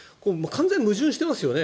完全に矛盾してますよね。